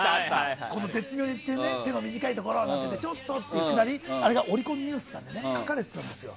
絶妙に手の短いところをちょっとっていうくだりがオリコンニュースさんに書かれてたんですよ。